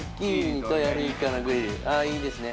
ああいいですね